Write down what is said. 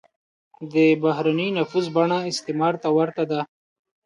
د بهرنی نفوذ بڼه استعمار ته ورته ده.